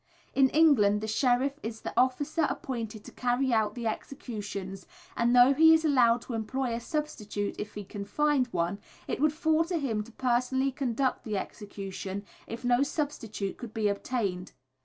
In England the Sheriff is the officer appointed to carry out the executions, and though he is allowed to employ a substitute if he can find one, it would fall to him to personally conduct the execution if no substitute could be obtained.